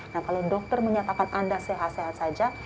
nah kalau dokter menyatakan anda sehat sehat saja